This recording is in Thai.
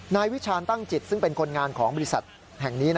วิชาณตั้งจิตซึ่งเป็นคนงานของบริษัทแห่งนี้